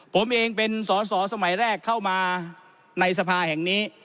ผมเองเป็นสอสอสมัยแรกเข้ามาในสภาแห่งนี้